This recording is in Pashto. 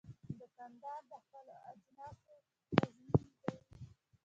دوکاندار د خپلو اجناسو تضمین کوي.